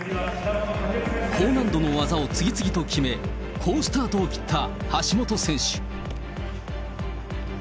高難度の技を次々と決め、好スタートを切った橋本選手。